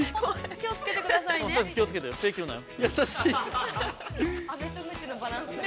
◆気をつけてくださいね。